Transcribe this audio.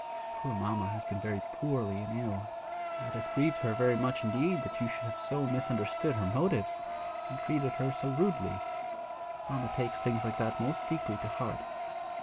Poor mamma has been very poorly and ill. It has grieved her very much indeed that you should have so misunderstood her motives, and treated her so rudely. Mamma takes things like that most deeply to heart.'